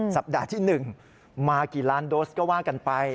สัปดาห์ที่๑มากี่ล้านโดสก็ว่ากันไป